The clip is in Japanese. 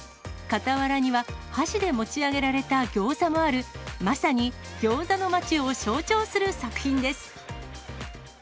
傍らには箸で持ち上げられたギョーザもあるまさにギョーザの街を象徴する作品です。